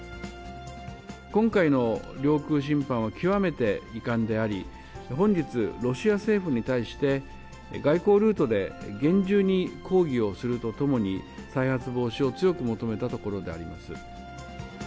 今回の領空侵犯は、極めて遺憾であり、本日、ロシア政府に対して、外交ルートで厳重に抗議をするとともに、再発防止を強く求めたところであります。